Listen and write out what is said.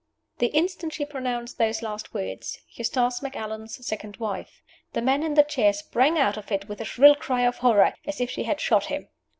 The instant she pronounced those last words, "Eustace Macallan's second wife," the man in the chair sprang out of it with a shrill cry of horror, as if she had shot him.